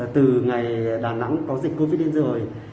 từ ngày đà nẵng có dịch covid đến giờ